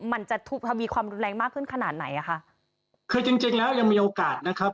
มันจะมีความรุนแรงมากขึ้นขนาดไหนอ่ะคะคือจริงจริงแล้วยังมีโอกาสนะครับ